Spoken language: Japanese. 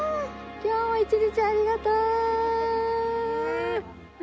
今日も一日ありがとう！